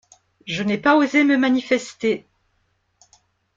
Je n’ai pas osé me manifester.